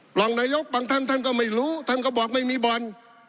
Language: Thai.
รองนายกบางท่านท่านก็ไม่รู้ท่านก็บอกไม่มีบ่อน